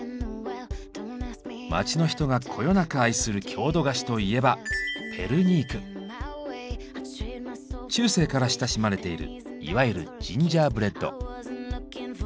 街の人がこよなく愛する郷土菓子といえば中世から親しまれているいわゆるジンジャーブレッド。